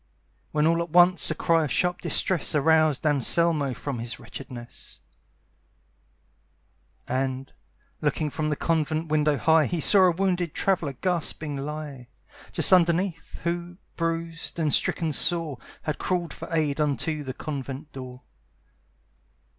When all at once a cry of sharp distress Aroused Anselmo from his wretchedness; And, looking from the convent window high, He saw a wounded traveller gasping lie Just underneath, who, bruised and stricken sore, Had crawled for aid unto the convent door.